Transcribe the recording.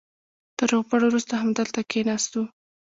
تر روغبړ وروسته همدلته کېناستو.